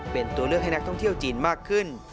เป็นตัวเลือกให้นักท่องเที่ยวจีนมากขึ้น